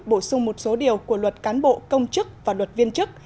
bổ sung một số điều của luật cán bộ công chức và luật viên chức